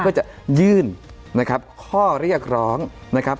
เพื่อจะยื่นนะครับข้อเรียกร้องนะครับ